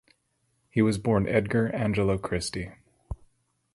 He was born Edgar Angelo Christy.